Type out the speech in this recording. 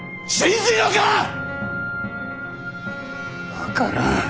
分からん。